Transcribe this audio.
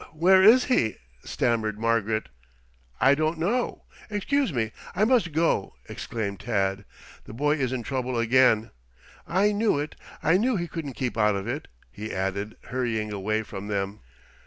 "Wh where is he?" stammered Margaret. "I don't know. Excuse me; I must go," exclaimed Tad. "The boy is in trouble again. I knew it I knew he couldn't keep out of it," he added, hurrying away from them.